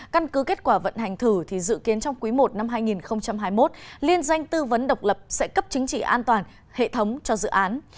căn cứ kết quả vận hành thử thì dự kiến trong quý i năm hai nghìn hai mươi một liên danh tư vấn độc lập sẽ cấp chứng chỉ an toàn hệ thống cho dự án